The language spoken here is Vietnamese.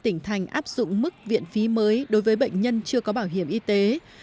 một mươi năm tỉnh thành áp dụng mức viện phí mới đối với bệnh nhân chưa có bảo hiểm y tế